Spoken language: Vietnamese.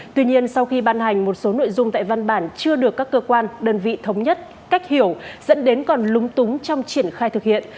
tuy nhiên sau khi ban hành một số nội dung tại văn bản chưa được các cơ quan đơn vị thống nhất cách hiểu dẫn đến còn lúng túng trong triển khai thực hiện